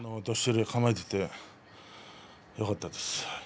どっしり構えて、よかったです。